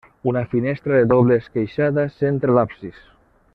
Una finestra de doble esqueixada centra l'absis.